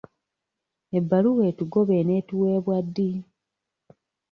Ebbaluwa etugoba enaatuweebwa ddi?